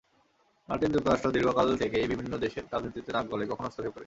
মার্কিন যুক্তরাষ্ট্র দীর্ঘকাল থেকেই বিভিন্ন দেশের রাজনীতিতে নাক গলায়, কখনো হস্তক্ষেপ করে।